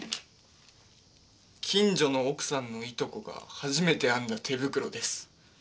「近所の奥さんのいとこが初めて編んだ手袋です」。